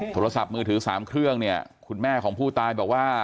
โทรศัพท์มือถือ๓เครื่องเนี่ยคุณแม่ของผู้ตายบอกว่า